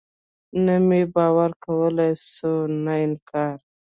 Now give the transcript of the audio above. نه مې باور کولاى سو نه انکار.